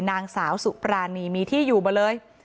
นางสาวสุปรานีมีที่อยู่มาเลย